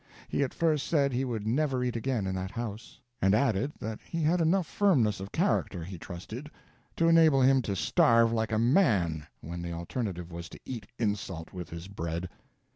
He at first said he would never eat again in that house; and added that he had enough firmness of character, he trusted, to enable him to starve like a man when the alternative was to eat insult with his bread.